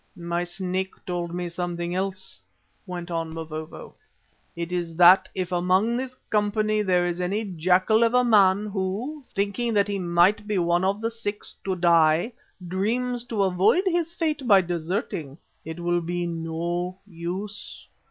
"My Snake told me something else," went on Mavovo. "It is that if among this company there is any jackal of a man who, thinking that he might be one of the six to die, dreams to avoid his fate by deserting, it will be of no use.